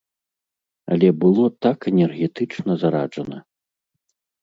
Але было так энергетычна зараджана!